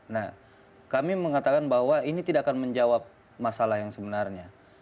nah kami mengatakan bahwa ini tidak akan menjawab masalah yang sebenarnya